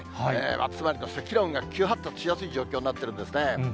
つまり、積乱雲が非常に急発達しやすい状況になってるんですね。